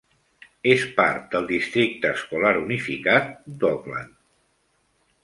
És part del districte escolar unificat d'Oakland.